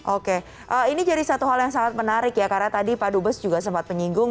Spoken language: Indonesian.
oke ini jadi satu hal yang sangat menarik ya karena tadi pak dubes juga sempat menyinggung